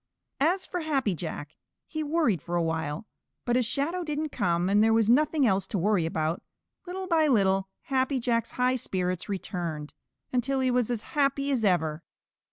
As for Happy Jack, he worried for a while, but as Shadow didn't come, and there was nothing else to worry about, little by little Happy Jack's high spirits returned, until he was as happy as ever.